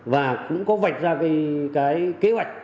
và cũng có vạch ra cái kế hoạch